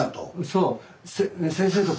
そう。